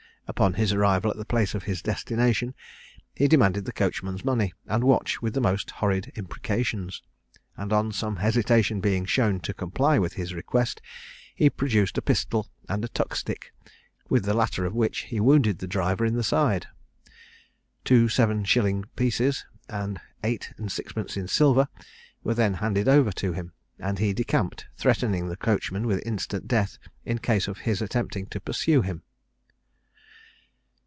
Upon his arrival at the place of his destination, he demanded the coachman's money and watch with the most horrid imprecations; and on some hesitation being shown to comply with his request, he produced a pistol and a tuck stick, with the latter of which he wounded the driver in the side. Two seven shilling pieces, and eight and sixpence in silver, were then handed over to him, and he decamped, threatening the coachman with instant death in case of his attempting to pursue him.